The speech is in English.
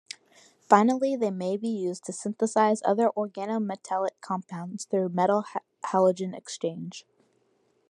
Finally, they may be used to synthesise other organometallic compounds through metal-halogen exchange.